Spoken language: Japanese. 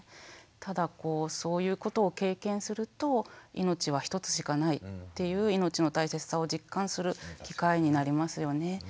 ただこうそういうことを経験すると命は一つしかないっていう命の大切さを実感する機会になりますよね。